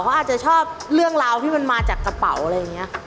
เขาอาจจะชอบเรื่องราวที่มันมาจากกระเป๋าอะไรอย่างนี้